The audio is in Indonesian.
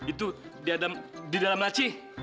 itu di dalam laci